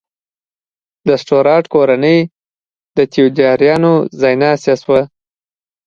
د سټورات کورنۍ د تیودوریانو ځایناستې شوه.